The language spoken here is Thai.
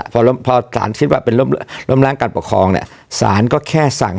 พอล้อมพอสารน้ำคิดว่าเป็นล้อมล้อมล้างการปกครองเนี้ยสารก็แค่สั่งให้